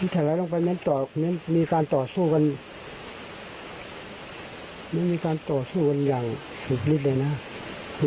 ที่ว่ากว่าจะตกน้ำคงพูดอย่างนี้